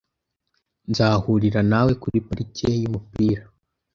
Nzahurira nawe kuri parike yumupira .